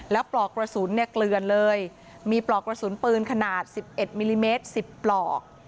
แล้วปลอกกระสุนเนี่ยเกลือนเลยมีปลอกกระสุนปืนขนาด๑๑มิลลิเมตร๑๐ปลอก